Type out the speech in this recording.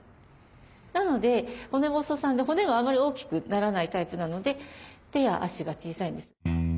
なので骨細さんで骨があまり大きくならないタイプなので手や足が小さいんです。